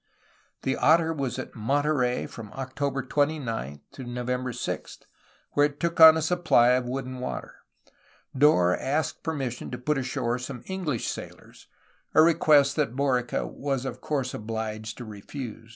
The Otter was at Monterey from October 29 to November 6, where it took on a supply of wood and water. Dorr asked permission to put ashore some EngUsh sailors, a request that Borica was of course obliged to refuse.